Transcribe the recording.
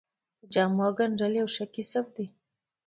د جامو ګنډل یو ښه کسب دی